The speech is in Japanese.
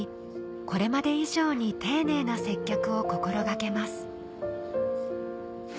これまで以上に丁寧な接客を心掛けます